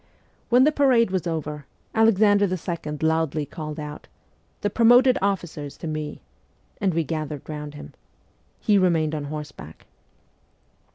When the parade was over, Alexander II. loudly called out, ' The promoted officers to me !' and we gathered round him. He remained on horseback.